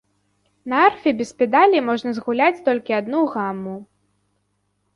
На арфе без педалі можна згуляць толькі адну гаму.